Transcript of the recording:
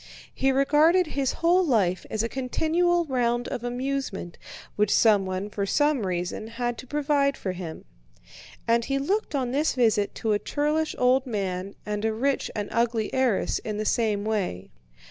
He regarded his whole life as a continual round of amusement which someone for some reason had to provide for him. And he looked on this visit to a churlish old man and a rich and ugly heiress in the same way.